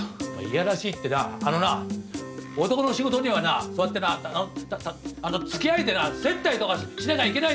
嫌らしいってなあのな男の仕事にはなそうやってなつきあいでな接待とかしなきゃいけないんだよ！